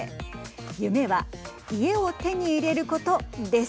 夢は、家を手に入れることです。